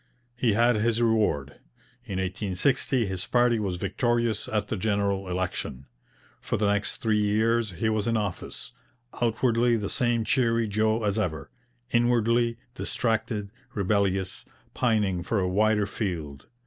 He had his reward. In 1860 his party was victorious at the general election. For the next three years he was in office, outwardly the same cheery Joe as ever, inwardly distracted, rebellious, pining for a wider field.